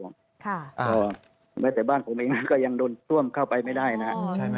ก็ไม่แต่บ้านผมเองก็ยังโดนทรวมเข้าไปไม่ได้นะครับ